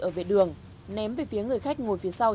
ở vệ đường ném về phía người khách ngồi phía sau